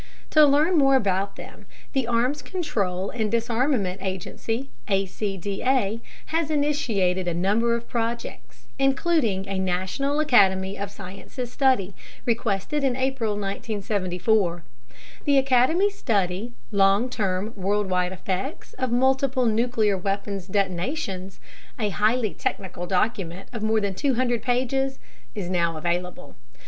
To learn more about them, the Arms Control and Disarmament Agency (ACDA) has initiated a number of projects, including a National Academy of Sciences study, requested in April 1974. The Academy's study, Long Term Worldwide Effects of Multiple Nuclear Weapons Detonations, a highly technical document of more than 200 pages, is now available.